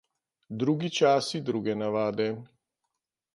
Drugi časi, druge navade.